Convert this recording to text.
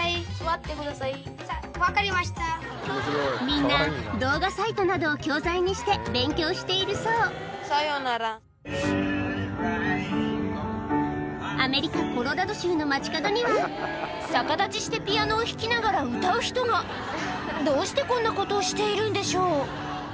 みんな動画サイトなどを教材にして勉強しているそうアメリカコロラド州の街角には逆立ちしてピアノを弾きながら歌う人がどうしてこんなことをしているんでしょう？